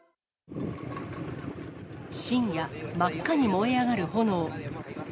深夜、真っ赤に燃え上がる炎。